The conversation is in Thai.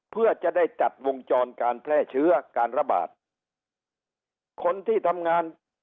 เพื่อจะได้จัดวงจรการแพร่เชื้อการระบาดคนที่ทำงาน